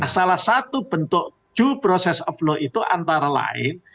salah satu bentuk due process of law itu antara lain